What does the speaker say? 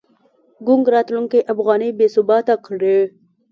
ګونګ راتلونکی افغانۍ بې ثباته کړې.